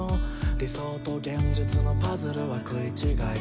「理想と現実のパズルは食い違い」